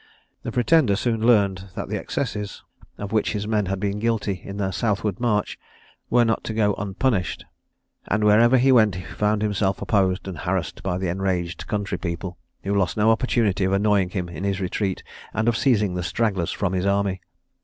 The Pretender soon learned that the excesses, of which his men had been guilty in their southward march, were not to go unpunished, and wherever he went he found himself opposed and harassed by the enraged country people, who lost no opportunity of annoying him in his retreat, and of seizing the stragglers from his army.